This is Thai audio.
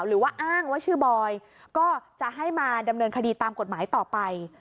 หรือว่าอ้างว่าชื่อบอยก็จะให้มาดำเนินคดีตามกฎหมายต่อไป